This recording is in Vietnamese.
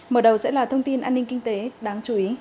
mở đầu sẽ là thông tin an ninh kinh tế đáng chú ý